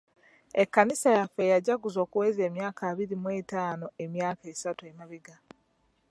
Ekkanisa yaffe yajjaguza okuweza emyaka abiri mu ettaano emyaka esatu emabega.